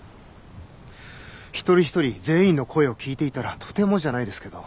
一人一人全員の声を聞いていたらとてもじゃないですけど。